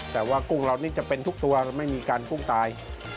แต่ว่ากุ้งเรานี่จะเป็นทุกตัวไม่มีการกุ้งตาย